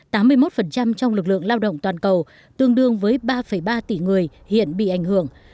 tám mươi một trong lực lượng lao động toàn cầu tương đương với ba ba tỷ người hiện bị ảnh hưởng